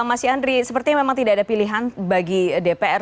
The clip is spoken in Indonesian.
mas yandri sepertinya memang tidak ada pilihan bagi dpr